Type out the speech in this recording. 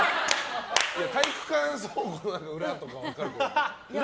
体育館倉庫の裏とかは分かるけど。